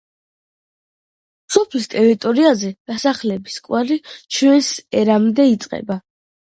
სოფლის ტერიტორიაზე დასახლების კვალი ჩვენს ერამდე იწყება.